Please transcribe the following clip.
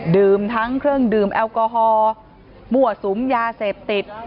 ทั้งเครื่องดื่มแอลกอฮอลมั่วสุมยาเสพติด